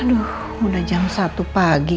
aduh udah jam satu pagi